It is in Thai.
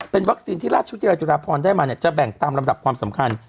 เป็นวัคซีนที่ราชวิทยาลจุฬาพรได้มาเนี่ยจะแบ่งตามลำดับความสำคัญ